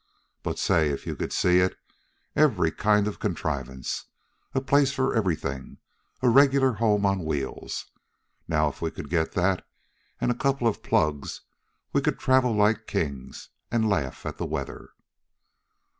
But say if you could see it. Every kind of a contrivance a place for everything a regular home on wheels. Now, if we could get that, an' a couple of plugs, we could travel like kings, an' laugh at the weather."